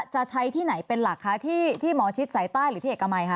จะใช้ที่ไหนเป็นหลักคะที่หมอชิดสายใต้หรือที่เอกมัยคะ